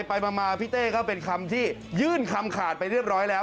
ไปมาพี่เต้ก็เป็นคำที่ยื่นคำขาดไปเรียบร้อยแล้ว